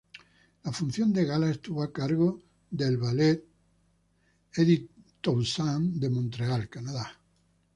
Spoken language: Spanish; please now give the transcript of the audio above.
La función de gala estuvo a cargo del Ballet Eddy Toussaint de Montreal, Canadá.